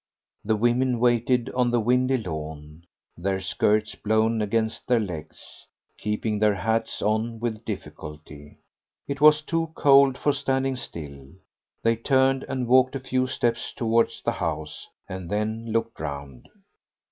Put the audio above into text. The women waited on the windy lawn, their skirts blown against their legs, keeping their hats on with difficulty. It was too cold for standing still. They turned and walked a few steps towards the house, and then looked round.